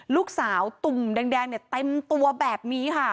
ลูกสาวตุ่มแดงเนี่ยเต็มตัวแบบนี้ค่ะ